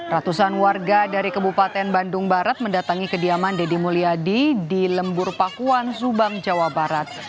ratusan warga dari kebupaten bandung barat mendatangi kediaman deddy mulyadi di lembur pakuan subang jawa barat